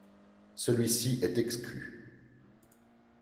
Celui-ci est exclu.